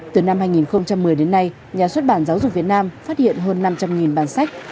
từ năm hai nghìn một mươi đến nay nhà xuất bản giáo dục việt nam phát hiện hơn năm trăm linh bản sách